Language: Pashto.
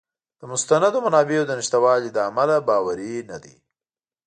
د مستندو منابعو د نشتوالي له امله باوری نه دی.